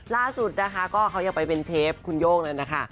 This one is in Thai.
ล่าสุดนะคะก็เขายังไปเป็นเชฟคุณโย่งเลยนะคะ